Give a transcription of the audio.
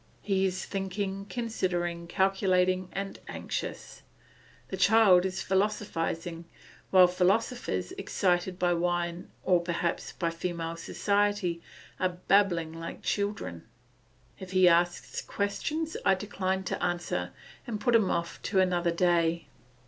He is thinking, considering, calculating, and anxious. The child is philosophising, while philosophers, excited by wine or perhaps by female society, are babbling like children. If he asks questions I decline to answer and put him off to another day.